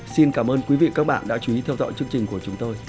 xin cảm ơn quý vị các bạn đã chú ý theo dõi chương trình của chúng tôi